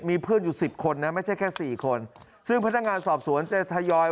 มีเพื่อนอยู่สิบคนนะไม่ใช่แค่สี่คนซึ่งพนักงานสอบสวนจะทยอย